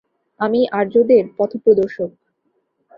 আমিই আর্যদের পথপ্রদর্শক!